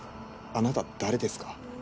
あなた誰ですか？